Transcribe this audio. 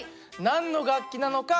何の楽器なのか